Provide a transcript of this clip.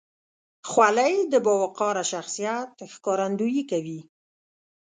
خولۍ د باوقاره شخصیت ښکارندویي کوي.